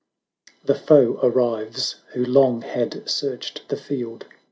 The foe arrives, who long had searched the field.